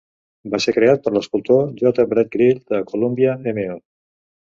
Va ser creat per l'escultor J. Brett Grill de Columbia, Mo.